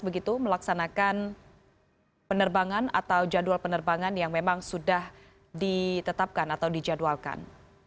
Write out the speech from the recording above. begitu melaksanakan penerbangan atau jadwal penerbangan yang memang sudah ditetapkan atau dijadwalkan